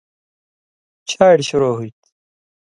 چھاڑیۡ شروع ہُوی تھی۔